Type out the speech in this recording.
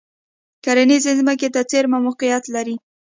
کرنیزې ځمکې ته څېرمه موقعیت لري.